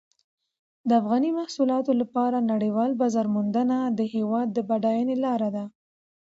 د افغاني محصولاتو لپاره نړیوال بازار موندنه د هېواد د بډاینې لاره ده.